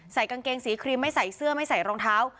กางเกงสีครีมไม่ใส่เสื้อไม่ใส่รองเท้า